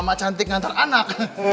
mamah cantik ngantar anak